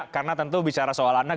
karena tentu bicara soal anak